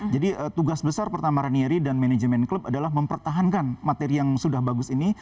jadi tugas besar pertama ranieri dan manajemen klub adalah mempertahankan materi yang sudah bagus ini